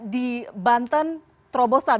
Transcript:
di banten terobosan